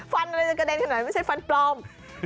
ฟันอะไรจะกระเด็นขนาดไม่ใช่ฟันปลอม